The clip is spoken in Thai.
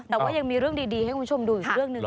แต่ว่ายังมีเรื่องดีให้คุณผู้ชมดูอีกเรื่องหนึ่ง